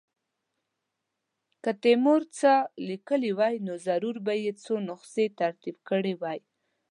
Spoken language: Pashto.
که تیمور څه لیکلي وای نو ضرور به یې څو نسخې ترتیب کړې وای.